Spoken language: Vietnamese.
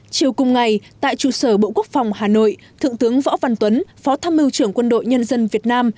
chiều cùng ngày tại trụ sở bộ quốc phòng hà nội thượng tướng võ văn tuấn phó tham mưu trưởng quân đội nhân dân việt nam